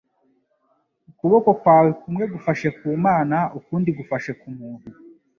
ukuboko kwe kumwe gufashe ku Mana ukundi gufashe ku muntu.